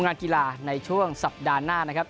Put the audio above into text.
งานกีฬาในช่วงสัปดาห์หน้านะครับ